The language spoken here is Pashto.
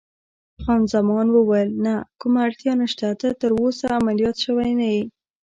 خان زمان وویل: نه، کومه اړتیا نشته، ته تراوسه عملیات شوی نه یې.